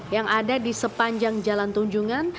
yang ada di sepanjang jalan tunjungan